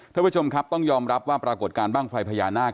ท่านผู้ชมครับต้องยอมรับว่าปรากฏการณ์บ้างไฟพญานาค